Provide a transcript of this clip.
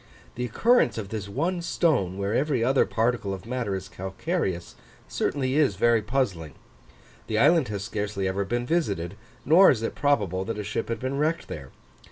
The occurrence of this one stone, where every other particle of matter is calcareous, certainly is very puzzling. The island has scarcely ever been visited, nor is it probable that a ship had been wrecked there.